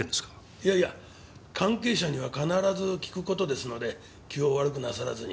いやいや関係者には必ず訊く事ですので気を悪くなさらずに。